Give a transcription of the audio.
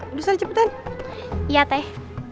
udah sudah cepetan iya teh